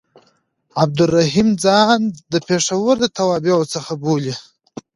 عبدالرحیم ځان د پېښور د توابعو څخه بولي.